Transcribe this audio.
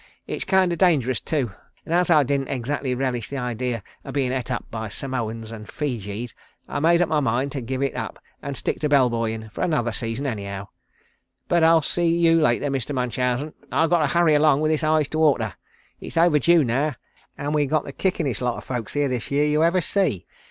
It's kind o' dangerous too, and as I didn't exactly relish the idea o' bein' et up by Samoans an' Feejees I made up my mind to give it up an' stick to bell boyin' for another season any how; but I'll see you later, Mr. Munchausen. I've got to hurry along with this iced water. It's overdue now, and we've got the kickinest lot o' folks here this year you ever see.